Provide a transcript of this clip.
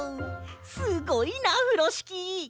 すごいなふろしき！